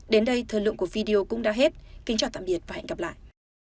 đến đây thời lượng của video cũng đã hết kính chào tạm biệt và hẹn gặp lại